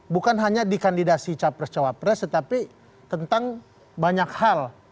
bukan hanya dikandidasi cawapres cawapres tetapi tentang banyak hal